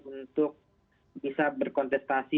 untuk bisa berkontestasi